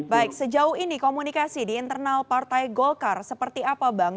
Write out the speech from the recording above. baik sejauh ini komunikasi di internal partai golkar seperti apa bang